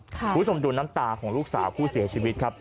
คุณผู้ชมดูน้ำตาของลูกสาวผู้เสียชีวิตครับ